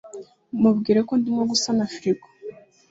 Mubwire ko ndimo gusana firigo